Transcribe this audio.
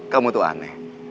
kamu tuh aneh